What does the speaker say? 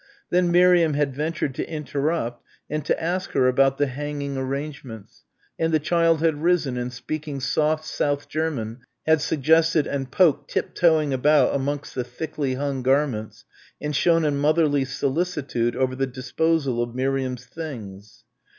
Then Miriam had ventured to interrupt and to ask her about the hanging arrangements, and the child had risen and speaking soft South German had suggested and poked tip toeing about amongst the thickly hung garments and shown a motherly solicitude over the disposal of Miriam's things.